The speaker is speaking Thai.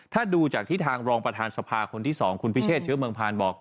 ถ้าดูจากที่ทางรองประธานสภาคนที่๒คุณพิเชษเชื้อเมืองพานบอก